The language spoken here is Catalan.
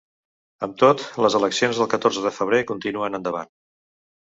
Amb tot, les eleccions del catorze de febrer continuen endavant.